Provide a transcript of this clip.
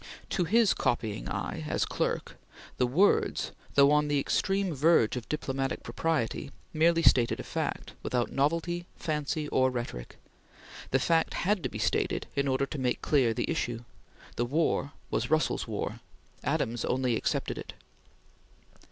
To his copying eye, as clerk, the words, though on the extreme verge of diplomatic propriety, merely stated a fact, without novelty, fancy, or rhetoric. The fact had to be stated in order to make clear the issue. The war was Russell's war Adams only accepted it.